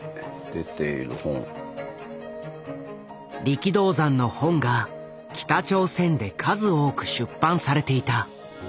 力道山の本が北朝鮮で数多く出版されていた。